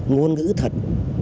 ngôn ngữ thật